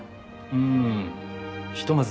うんひとまず